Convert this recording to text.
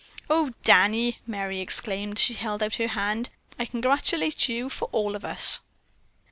"Oh, Danny," Merry exclaimed as she held out her hand, "I congratulate you for all of us."